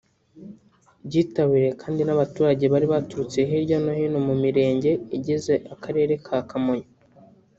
byitabiriwe kandi n’abaturage bari baturutse hirya no hino mu Mirenge igize Akarere ka Kamonyi